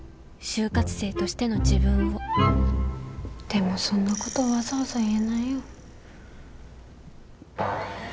就活生としての自分をでもそんなことわざわざ言えないよ。